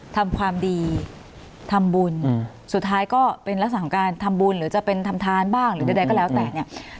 ทำความดีทำบุญสุดท้ายก็เป็นลักษณะของการทำบุญหรือจะเป็นทำทานบ้างหรือใดก็แล้วแต่เนี่ย